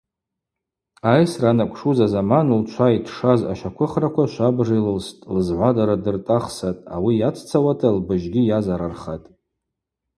Айсра анакӏвшуз азаман лчва йтшаз ащаквыхраква швабыж йлылстӏ, лзгӏвадара дыртӏахсатӏ, ауи йаццауата лбыжьгьи йазарархатӏ.